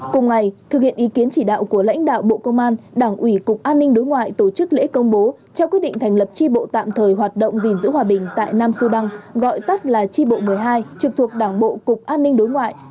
cùng ngày thực hiện ý kiến chỉ đạo của lãnh đạo bộ công an đảng ủy cục an ninh đối ngoại tổ chức lễ công bố trao quyết định thành lập tri bộ tạm thời hoạt động gìn giữ hòa bình tại nam sudan gọi tắt là tri bộ một mươi hai trực thuộc đảng bộ cục an ninh đối ngoại